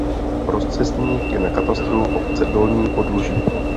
Rozcestník je na katastru obce Dolní Podluží.